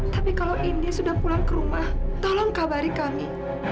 tapi kalau india sudah pulang ke rumah tolong kabari kami